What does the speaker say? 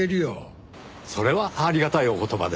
それはありがたいお言葉です。